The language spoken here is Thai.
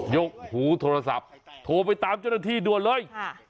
กหูโทรศัพท์โทรไปตามเจ้าหน้าที่ด่วนเลย